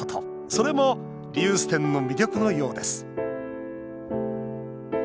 それも、リユース店の魅力のようです。